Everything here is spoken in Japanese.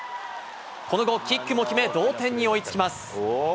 この後、キックも決め、同点に追いつきます。